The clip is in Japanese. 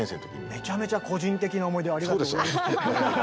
めちゃめちゃ個人的な思い出をありがとうございます。